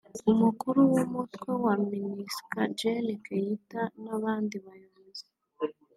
Umukuru w’umutwe wa Minusca Gen Kaita n’abandi bayobozi